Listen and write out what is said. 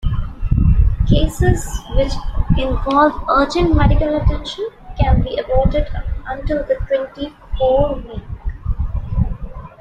Cases which involve urgent medical attention can be aborted until the twenty-fourth week.